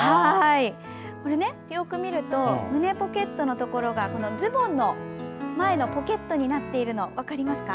よく見ると胸ポケットがズボンの前のポケットになっているの分かりますか？